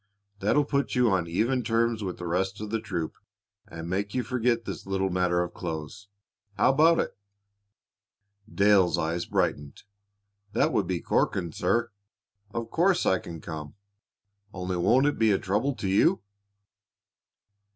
That'll put you on even terms with the rest of the troop, and make you forget this little matter of clothes. How about it?" Dale's eyes brightened. "That would be corking, sir! Of course I can come, only won't it be a trouble to you?"